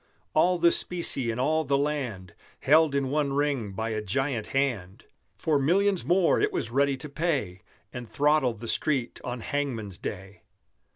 All the specie in all the land Held in one Ring by a giant hand For millions more it was ready to pay, And throttle the Street on hangman's day.